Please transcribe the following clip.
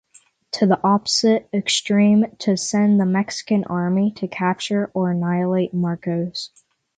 To the opposite extreme to send the Mexican army to capture or annihilate Marcos.